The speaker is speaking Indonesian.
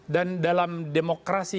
dan dalam demokrasi